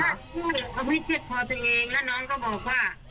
ถ้าผู้หญิงเขาไม่เช็ดพอตัวเองแล้วน้องก็บอกว่า